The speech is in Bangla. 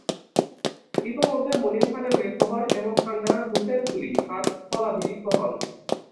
ইতোমধ্যে মুনিম খানের মৃত্যু হয় এবং খান জাহান হুসেন কুলী তাঁর স্থলাভিষিক্ত হন।